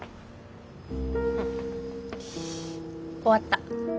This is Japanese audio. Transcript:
終わった。